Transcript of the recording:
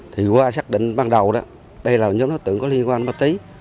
thì qua xác định ban đầu đó đây là nhóm đối tượng có liên quan với tí